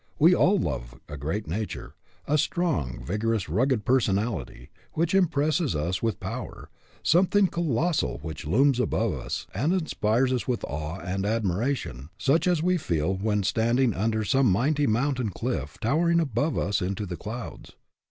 We all love a great nature, a strong, vigorous, rugged personality, which impresses us with power something colossal which looms above us and inspires us with awe and admira tion, such as we feel when standing under some mighty mountain cliff towering above us into the clouds.